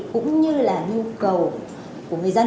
cũng như là nhu cầu của người dân